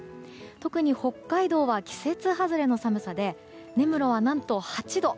特に北海道は季節外れの寒さで根室は何と８度。